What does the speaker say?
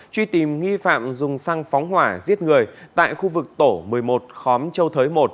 truy tìm nghi phạm dùng xăng phóng hỏa giết người tại khu vực tổ một mươi một khóm châu thới một